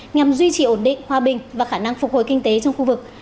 nhằm duy trì ổn định hòa bình và khả năng phục hồi kinh tế trong khu vực